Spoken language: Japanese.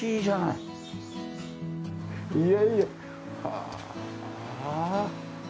いやいや。はあ。